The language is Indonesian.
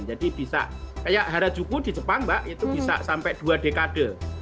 jadi bisa kayak harajuku di jepang mbak itu bisa sampai dua dekade